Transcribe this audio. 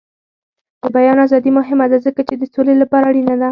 د بیان ازادي مهمه ده ځکه چې د سولې لپاره اړینه ده.